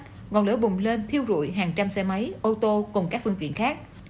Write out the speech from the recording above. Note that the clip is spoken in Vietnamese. ngọn lửa bùng lên thiêu rụi hàng trăm xe máy ô tô cùng các phương tiện khác